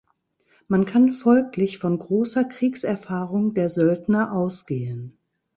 Man kann folglich von großer Kriegserfahrung der Söldner ausgehen.